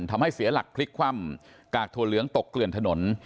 ทำให้เสียหลักพลิกคว่ำกากถั่วเหลืองตกเกลื่อนถนน